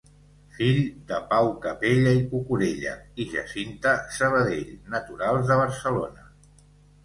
Fill de Pau Capella i Cucurella i Jacinta Sabadell, naturals de Barcelona.